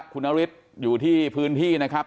คุณนฤทธิ์อยู่ที่พื้นที่นะครับ